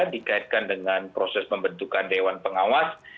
dikaitkan dengan proses pembentukan dewan pengawas